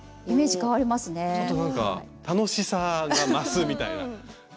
ちょっとなんか楽しさが増すみたいな感じで。